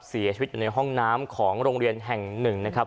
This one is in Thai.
เสียชีวิตอยู่ในห้องน้ำของโรงเรียนแห่งหนึ่งนะครับ